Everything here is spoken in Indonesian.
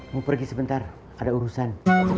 mau pergi sebentar ada urusan